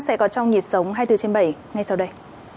sẽ có trong nhịp sống hai trăm bốn mươi bảy ngay sau đây